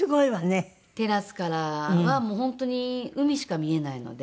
テラスからはもう本当に海しか見えないので。